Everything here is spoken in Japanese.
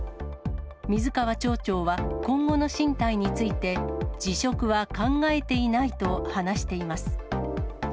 水川町長は、今後の進退について、辞職は考えていないと話しています。